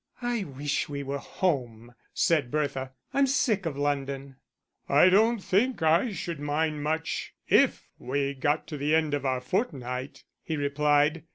"I wish we were home," said Bertha. "I'm sick of London." "I don't think I should mind much if we'd got to the end of our fortnight," he replied.